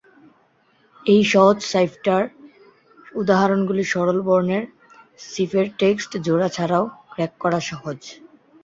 এই সহজ সাইফার এবং উদাহরণগুলি সরল বর্ণের-সিফেরটেক্সট জোড়া ছাড়াও ক্র্যাক করা সহজ।